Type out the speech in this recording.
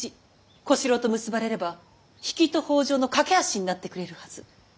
小四郎と結ばれれば比企と北条の懸け橋になってくれるはず。